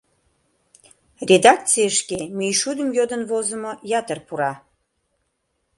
Редакцийышке мӱйшудым йодын возымо ятыр пура.